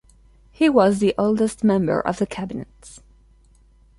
He was the oldest member of the cabinet.